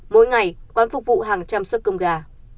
mỗi ngày quán phục vụ hàng trăm suất cơm gà